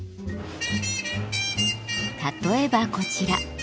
例えばこちら。